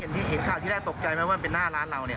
เห็นที่เห็นข่าวที่แรกตกใจไหมว่าเป็นหน้าร้านเราเนี่ย